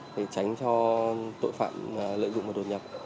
để tránh cho tội phạm lợi dụng và đột nhập